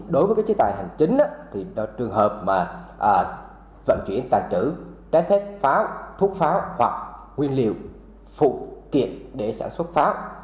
đối với chế tài hành chính thì trường hợp mà vận chuyển tàn trữ trái phép pháo thuốc pháo hoặc nguyên liệu phụ kiện để sản xuất pháo